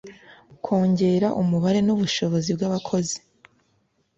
kongera umubare n’ ubushobozi bw’ abakozi